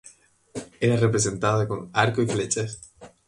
Era representada con arco y flechas.